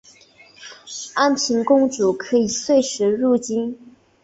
安平公主可以岁时入京。